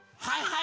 はい！